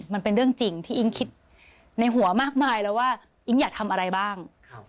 มันเป็นเรื่องจริงที่อิ๊งคิดในหัวมากมายแล้วว่าอิ๊งอยากทำอะไรบ้าง